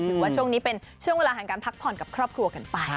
ว่าช่วงนี้เป็นช่วงเวลาแห่งการพักผ่อนกับครอบครัวกันไป